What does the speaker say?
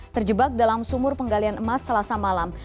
terjebak dalam sumur penggalian emas selasa malam